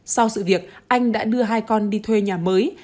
sau sự việc anh đã đưa hai con đi thuê nhà mới